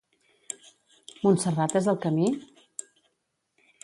Montserrat és el camí?